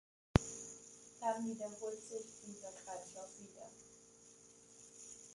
Dann wiederholt sich dieser Kreislauf wieder.